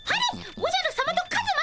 おじゃるさまとカズマさま